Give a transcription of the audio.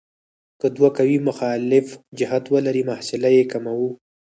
که دوه قوې مخالف جهت ولري محصله یې کموو.